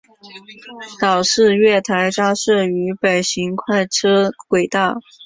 岛式月台加设于北行快车轨道。